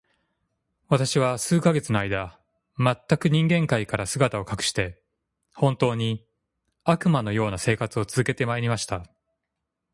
私は数ヶ月の間、全く人間界から姿を隠して、本当に、悪魔の様な生活を続けて参りました。